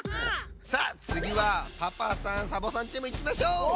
さあつぎはパパさんサボさんチームいきましょう！